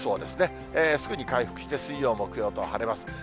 すぐに回復して水曜、木曜と晴れます。